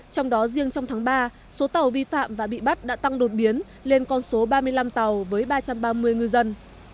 trong đó riêng trong tháng ba số tàu vi phạm và bị bắt đã tăng đột biến lên con số ba mươi năm tàu với ba trăm ba mươi ngư dân